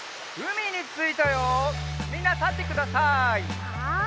みんなたってください。